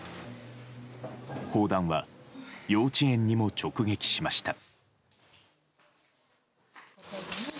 砲弾は幼稚園にも直撃しました。